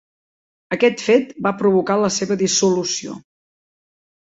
Aquest fet va provocar la seva dissolució.